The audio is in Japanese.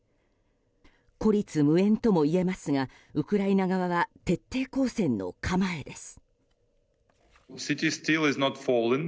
孤立無援ともいえますがウクライナ側は徹底抗戦の構えです。